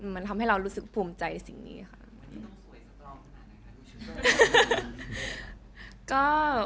มันทำให้เรารู้สึกภูมิใจสิ่งนี้ค่ะ